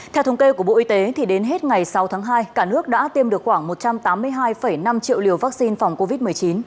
theo thống kê của bộ y tế đến hết ngày sáu tháng hai cả nước đã tiêm được khoảng một trăm tám mươi hai năm triệu liều vaccine phòng covid một mươi chín